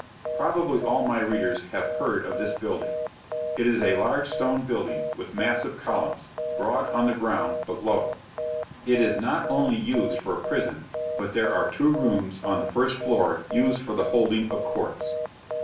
Probably all my readers have heard of this building. It is a large stone building, with massive columns, broad on the ground, but low. It is not only used for a prison, but there are two rooms on the first floor used for the holding of courts.